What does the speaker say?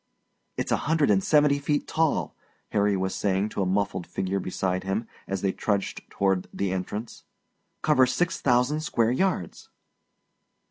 "It's a hundred and seventy feet tall," Harry was saying to a muffled figure beside him as they trudged toward the entrance; "covers six thousand square yards."